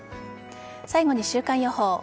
最後に週間予報。